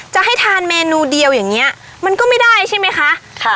จะให้ทานเมนูเดียวอย่างนี้มันก็ไม่ได้ใช่ไหมคะ